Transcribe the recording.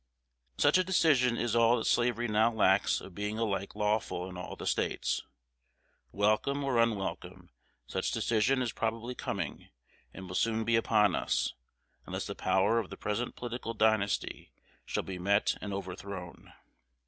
Such a decision is all that slavery now lacks of being alike lawful in all the States. Welcome or unwelcome, such decision is probably coming, and will soon be upon us, unless the power of the present political dynasty shall be met and overthrown.